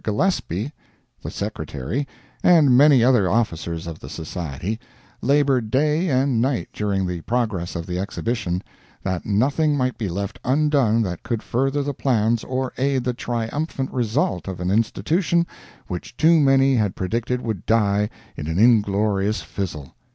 Gillespie, the Secretary, and many other officers of the Society, labored day and night during the progress of the exhibition, that nothing might be left undone that could further the plans or aid the triumphant result of an institution which too many had predicted would die in an inglorious fizzle.